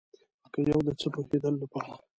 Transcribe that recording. که د یو څه پوهیدلو لپاره